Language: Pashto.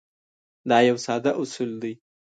دا یو ساده اصول دی.